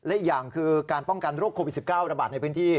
และอีกอย่างคือการป้องกันโรคโควิด๑๙ระบาดในพื้นที่